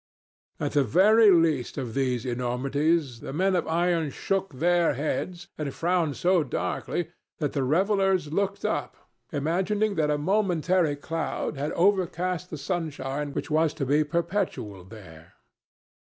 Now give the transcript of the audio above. At the very least of these enormities the men of iron shook their heads and frowned so darkly that the revellers looked up, imagining that a momentary cloud had overcast the sunshine which was to be perpetual there.